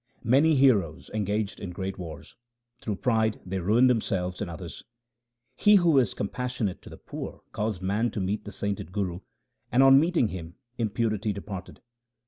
Many heroes engaged in great wars ; through pride they ruined themselves and others. He who is compassionate to the poor caused man to meet the sainted Guru, and on meeting him impurity departed.